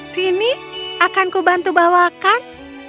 sini akanku bantu bawakan